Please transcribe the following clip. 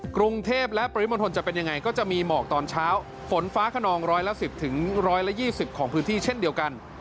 กรุงเทพและปริมณฑลจะเป็นยังไงก็จะมีหมอกตอนเช้าฝนฟ้าขนองร้อยละ๑๐๑๒๐ของพื้นที่เช่นเดียวกัน